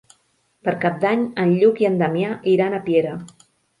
Per Cap d'Any en Lluc i en Damià iran a Piera.